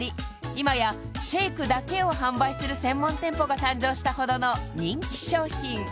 今やシェイクだけを販売する専門店舗が誕生したほどの人気商品